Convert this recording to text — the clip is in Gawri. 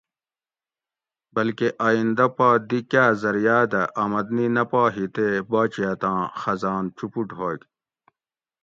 بلکہ آئیندہ پا دی کاۤ زریعاۤ دہ آمدنی نہ پا ہی تے باچہتاں خزان چُوپوٹ ہوگ